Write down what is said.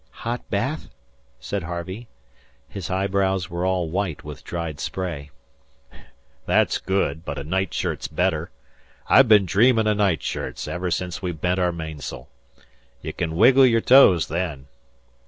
"Hot bath?" said Harvey. His eyebrows were all white with dried spray. "That's good, but a night shirt's better. I've been dreamin' o' night shirts ever since we bent our mainsail. Ye can wiggle your toes then.